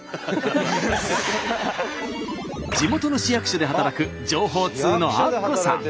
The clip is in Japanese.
地元の市役所で働く情報通のアッコさん。